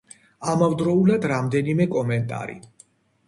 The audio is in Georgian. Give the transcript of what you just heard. ამავდროულად რამდენიმე კომენტარი.